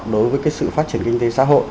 đối với cái sự phát triển kinh tế xã hội